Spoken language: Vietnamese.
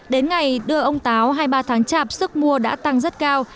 đến ngày đưa ông táo hai mươi ba tháng chạp sức mua đã tăng rất cao